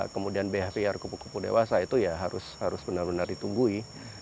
kemudian bhpr kupu kupu dewasa itu ya harus benar benar ditunggui